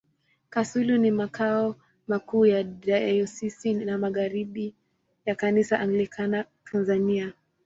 Kasulu ni makao makuu ya Dayosisi ya Magharibi ya Kanisa Anglikana Tanzania.